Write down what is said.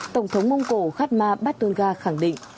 tổng thống mông cổ khát ma bát tuân ga khẳng định